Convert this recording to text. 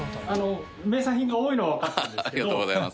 名産品が多いのはわかったんですけど。